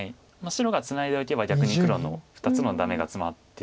白がツナいでおけば逆に黒の２つのダメがツマってたので。